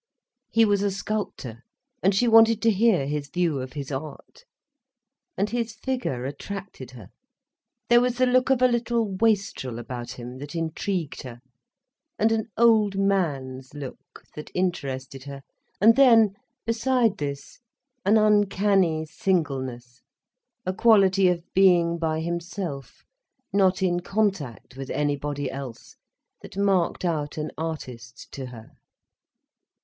He was a sculptor, and she wanted to hear his view of his art. And his figure attracted her. There was the look of a little wastrel about him, that intrigued her, and an old man's look, that interested her, and then, beside this, an uncanny singleness, a quality of being by himself, not in contact with anybody else, that marked out an artist to her.